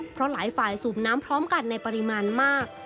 เพราะหลายฝ่ายสูบน้ำพร้อมกันในปริมาณมาก